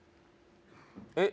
えっ？